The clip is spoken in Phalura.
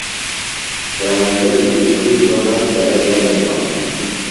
ہیوندہ دی مُݜٹوۡ سوۡ، ہر سرہ جمہ تھانوۡ